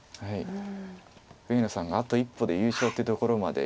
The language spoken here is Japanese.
上野さんがあと一歩で優勝ってところまで。